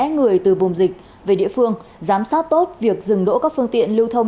người từ vùng dịch về địa phương giám sát tốt việc dừng đỗ các phương tiện lưu thông